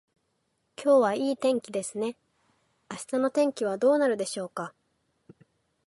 今日はいい天気ですね。明日の天気はどうなるでしょうか。